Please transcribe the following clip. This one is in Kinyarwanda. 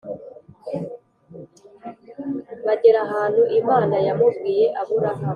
Bagera ahantu imana yamubwiye aburahamu